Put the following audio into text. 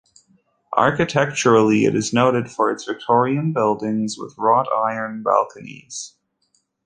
Architecturally it is noted for its Victorian buildings with wrought iron balconies.